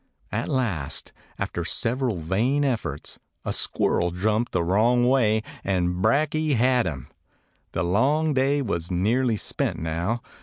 At last, after several vain efforts, a squirrel jumped the wrong way, and Brakje had him. The long day was nearly spent now.